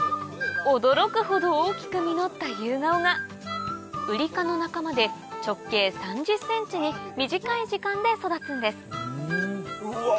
驚くほど大きく実ったユウガオがウリ科の仲間で直径３０ｃｍに短い時間で育つんですうわ